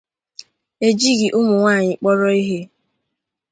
ejighị ụmụnwaanyị kpọrọ ihe